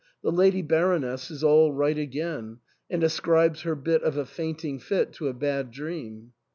The Lady Baroness is all right again, and ascribes her bit of a fainting fit to a bad dream."